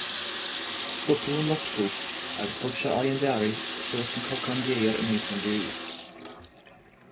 Stopadh an luchtú agus thug sé aghaidh an leoraí suas an cnocán géar aníos ón gcéibh.